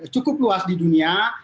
cukup luas di dunia